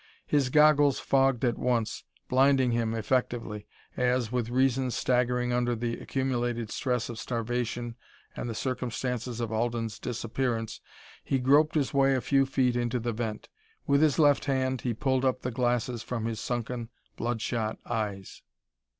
His goggles fogged at once, blinding him effectively as, with reason staggering under the accumulated stress of starvation and the circumstances of Alden's disappearance, he groped his way a few feet into the vent. With his left hand he pulled up the glasses from his sunken, blood shot eyes.